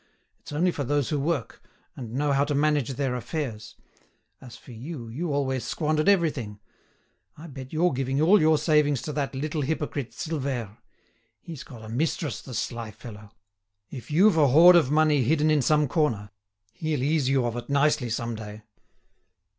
It's only for those who work, and know how to manage their affairs. As for you, you always squandered everything. I bet you're giving all your savings to that little hypocrite, Silvère. He's got a mistress, the sly fellow. If you've a hoard of money hidden in some corner, he'll ease you of it nicely some day."